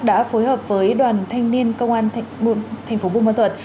đã phối hợp với đoàn thanh niên công an tp bộ môn thuận